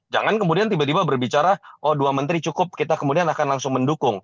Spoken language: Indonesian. jangan kemudian tiba tiba berbicara oh dua menteri cukup kita kemudian akan langsung mendukung